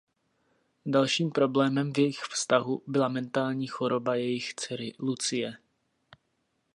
Dalším problémem v jejich vztahu byla mentální choroba jejich dcery Lucie.